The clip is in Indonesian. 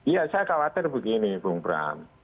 ya saya khawatir begini bung bram